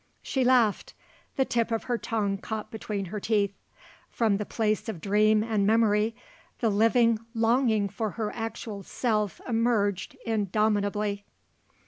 She laughed, the tip of her tongue caught between her teeth. From the place of dream and memory, the living longing for her actual self emerged indomitably.